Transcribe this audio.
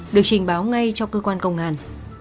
được trình báo ngay cho cơ quan công an